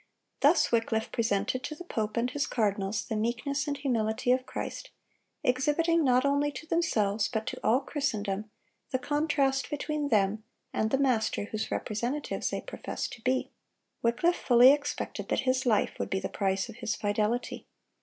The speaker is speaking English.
(121) Thus Wycliffe presented to the pope and his cardinals the meekness and humility of Christ, exhibiting not only to themselves but to all Christendom the contrast between them and the Master whose representatives they professed to be. Wycliffe fully expected that his life would be the price of his fidelity.